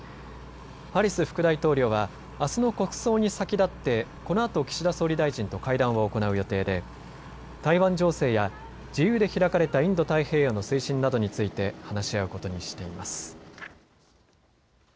ハリス副大統領はあすの国葬に先立ってこのあと岸田総理大臣と会談を行う予定で台湾情勢や自由で開かれたインド太平洋の推進などについて話し合うことにしています。